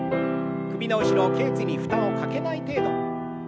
首の後ろけい椎に負担をかけない程度。